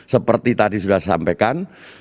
seperti tadi sudah disampaikan